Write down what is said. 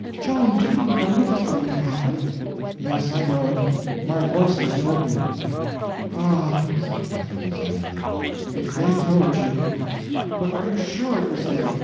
"Joan, do you know it is going to happen?" "Yes, I know it. My Voices told me." "Ah," said Catherine, resignedly, "if they told you—But are you sure it was they?